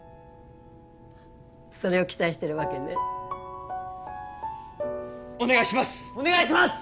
それを期待してるわけねお願いします！